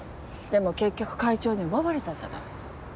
でも結局会長に奪われたじゃない。